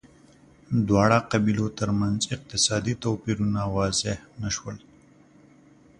دواړو قبیلو ترمنځ اقتصادي توپیرونه واضح نه شول